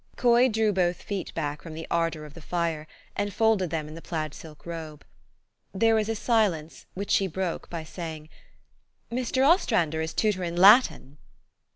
Coy drew both feet back from the ardor of the fire, and folded them in the plaid silk robe. There was a silence, which she broke by saying, " Mr. Ostrauder is tutor in Latin."